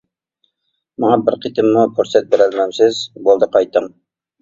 -ماڭا بىر قېتىممۇ پۇرسەت بېرەلمەمسىز؟ -بولدى قايتىڭ!